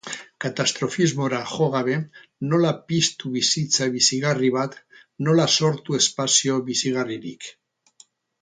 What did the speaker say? Katastrofismora jo gabe, nola piztu bizitza bizigarri bat, nola sortu espazio bizigarririk?